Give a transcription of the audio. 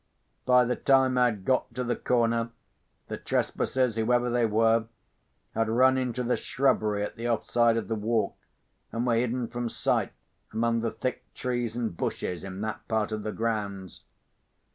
By the time I had got to the corner, the trespassers, whoever they were, had run into the shrubbery at the off side of the walk, and were hidden from sight among the thick trees and bushes in that part of the grounds.